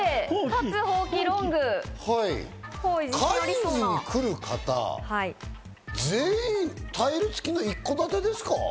カインズに来る方、全員タイルつきの一戸建てですか？